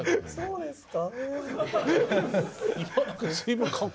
そうですか。